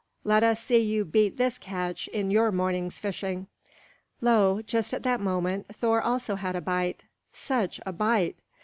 Let us see you beat this catch in your morning's fishing." Lo, just at that moment Thor also had a bite such a bite!